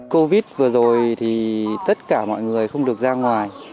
covid vừa rồi thì tất cả mọi người không được ra ngoài